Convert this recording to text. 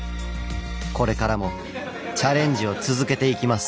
これからもチャレンジを続けていきます。